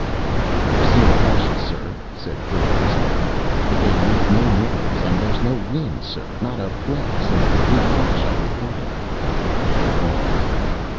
"I've seen the flashes, sir," said Thorn unsteadily, "but they made no noise. And there's no wind, sir. Not a breath since the blue flash I reported." A pause.